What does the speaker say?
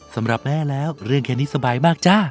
สำหรับแม่แล้วเรื่องแค่นี้สบายมากจ้า